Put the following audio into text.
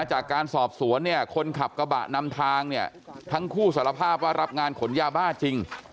จากการสอบสวนเนี่ยคนขับกระบะนำทางเนี่ยทั้งคู่สารภาพว่ารับงานขนยาบ้าจริง